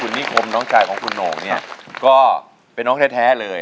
นิคมน้องชายของคุณโหน่งเนี่ยก็เป็นน้องแท้เลย